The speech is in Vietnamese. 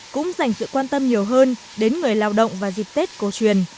cũng dành sự quan tâm nhiều hơn đến người lao động và dịp tết cố truyền